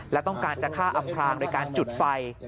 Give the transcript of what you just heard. และต้องการจะฆ่าอำพรางโดยการจุดไฟ